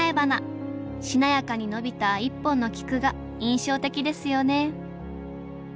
しなやかに伸びた１本の菊が印象的ですよね